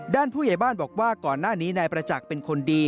ผู้ใหญ่บ้านบอกว่าก่อนหน้านี้นายประจักษ์เป็นคนดี